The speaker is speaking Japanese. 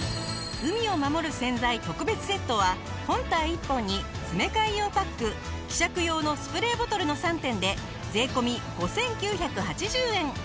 海をまもる洗剤特別セットは本体１本に詰め替え用パック希釈用のスプレーボトルの３点で税込５９８０円。